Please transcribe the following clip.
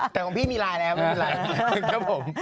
แต่ของพี่มีไลน์แล้วไม่มีไลน์